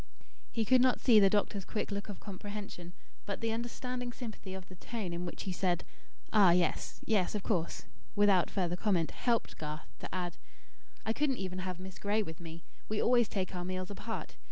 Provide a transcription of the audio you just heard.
He could not see the doctor's quick look of comprehension, but the understanding sympathy of the tone in which he said: "Ah, yes. Yes, of course," without further comment, helped Garth to add: "I couldn't even have Miss Gray with me. We always take our meals apart.